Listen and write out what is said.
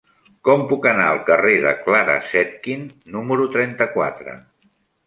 Com puc anar al carrer de Clara Zetkin número trenta-quatre?